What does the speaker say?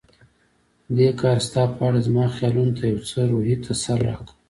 دې کار ستا په اړه زما خیالونو ته یو څه روحي تسل راکړ.